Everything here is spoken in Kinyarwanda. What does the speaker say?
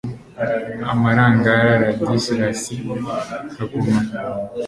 Amarangara Ladislasi Haguma